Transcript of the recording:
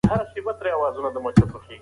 هغه وویل چې کلتور د ټولنې رڼا ده.